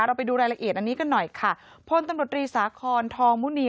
ไปดูรายละเอียดอันนี้กันหน่อยค่ะพลตำรวจรีสาคอนทองมุเนีย